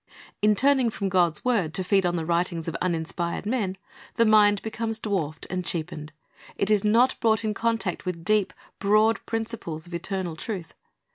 In turning from God's word to feed on the writings of uninspired men, the mind becomes dwarfed and cheapened. It is not brought in contact with deep, broad principles of eternal truth.